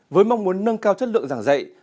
với mong muốn nâng cao chất lượng giảng dạy